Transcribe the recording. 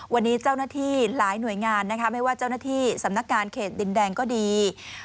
วันนี้เจ้าหน้าที่หลายหน่วยงานนะคะไม่ว่าเจ้าหน้าที่สำนักงานเขตดินแดงก็ดี